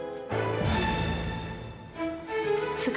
kalau gue asik gue juga asik